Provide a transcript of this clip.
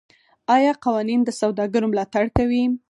آیا قوانین د سوداګرو ملاتړ کوي؟